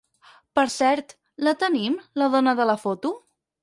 Per cert, la tenim, la dona de la foto?